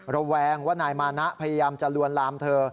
ระแวงว่านายมานะพยายามจะลวนลามเธอ